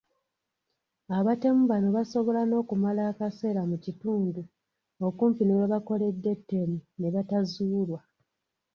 Abatemu bano basobola n’okumala akaseera mu kitundu okumpi ne we bakoledde, ettemu ne batazuulwa.